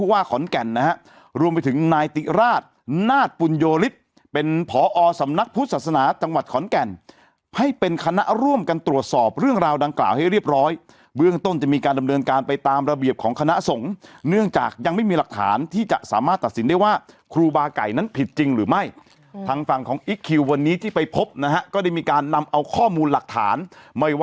ว่าขอนแก่นนะฮะรวมไปถึงนายติราชนาธิปุญโยฬิศเป็นพอสำนักพุทธศาสนาจังหวัดขอนแก่นให้เป็นคณะร่วมกันตรวจสอบเรื่องราวดังกล่าวให้เรียบร้อยเบื้องต้นจะมีการดำเนินการไปตามระเบียบของคณะส่งเนื่องจากยังไม่มีหลักฐานที่จะสามารถตัดสินได้ว่าครูบาไก่นั้นผิดจริงหรือไม